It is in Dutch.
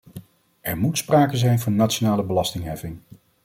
Er moet sprake zijn van nationale belastingheffing.